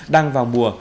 đang vào mùa